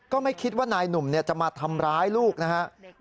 ก็ไม่คิดว่านายหนุ่มจะมาทำร้ายลูกนะครับ